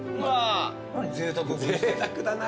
ぜいたくだな。